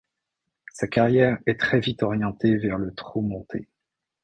Sa carrière est très vite orientée vers le trot monté.